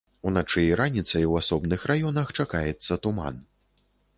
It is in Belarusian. Уначы і раніцай у асобных раёнах чакаецца туман.